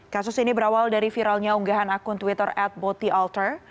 kasus ini berawal dari viralnya unggahan akun twitter at botty alter